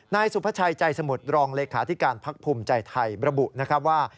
นายสุภาชัยใจสมุทรรองเลขาธิการพักภูมิใจไทยระบุนะครับว่า